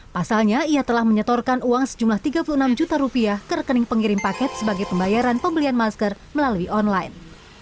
pasalnya ia telah menyetorkan uang sejumlah tiga puluh enam juta rupiah ke rekening pengirim paket sebagai pembayaran pembelian masker melalui online